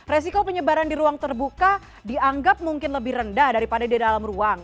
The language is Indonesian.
resiko penyebaran di ruang terbuka dianggap mungkin lebih rendah daripada di dalam ruang